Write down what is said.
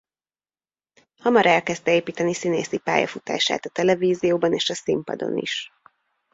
Hamar elkezdte építeni színészi pályafutását a televízióban és a színpadon is.